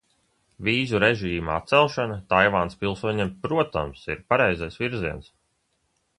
Vīzu režīma atcelšana Taivānas pilsoņiem, protams, ir pareizais virziens.